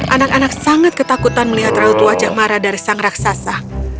anak anak sangat ketakutan melihat raut wajah marah dari sang raksasa